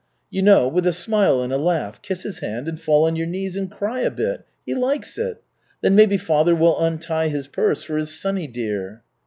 You know, with a smile and a laugh. Kiss his hand and fall on your knees, and cry a bit. He likes it. Then maybe father will untie his purse for his sonny dear."